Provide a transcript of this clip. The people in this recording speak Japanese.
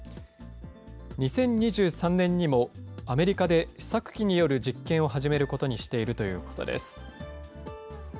２０２３年にも、アメリカで試作機による実験を始めることにしているということです。